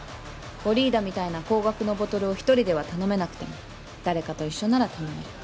ヴォリーダみたいな高額のボトルを１人では頼めなくても誰かと一緒なら頼める。